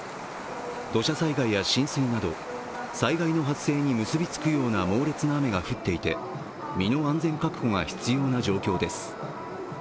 土砂災害や浸水など災害の発生に結び付くような猛烈な雨が降っていて、身の安全確保が必要な状況です。